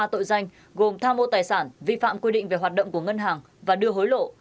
ba tội danh gồm tha mô tài sản vi phạm quy định về hoạt động của ngân hàng và đưa hối lộ